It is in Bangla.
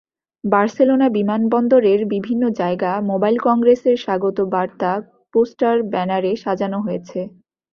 বার্সেলোনা বিমানবন্দরের বিভিন্ন জায়গা মোবাইল কংগ্রেসের স্বাগত বার্তা, পোস্টার, ব্যানারে সাজানো হয়েছে।